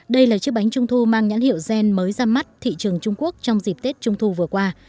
đây là chiếc bánh trung thu mang nhãn hiệu gen mới ra mắt thị trường trung quốc trong dịp tết trung thu vừa qua